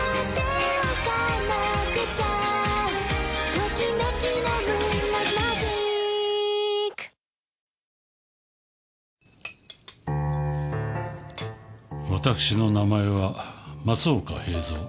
松岡：私の名前は松岡平蔵。